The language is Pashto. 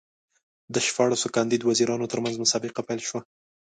د شپاړسو کاندید وزیرانو ترمنځ مسابقه پیل شوه.